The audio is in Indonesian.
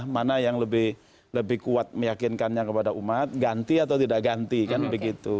mana yang lebih kuat meyakinkannya kepada umat ganti atau tidak ganti kan begitu